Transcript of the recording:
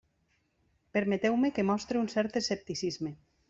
Permeteu-me que mostre un cert escepticisme.